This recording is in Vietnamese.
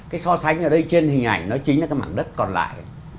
cái so sánh ở đây trên hình ảnh nó chính là cái mảng đất còn lại